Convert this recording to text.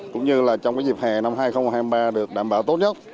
cũng như là trong dịp hè năm hai nghìn hai mươi ba được đảm bảo tốt nhất